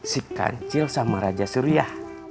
si kancil sama raja surya